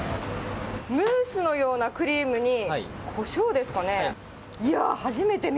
ムースのようなクリームにこしょうですかね？